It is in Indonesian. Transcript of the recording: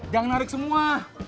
jangan narik semua